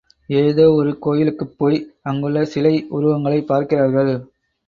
ஏதோ ஒரு கோயிலுக்குப் போய் அங்குள்ள சிலை உருவங்களைப் பார்க்கிறார்கள்.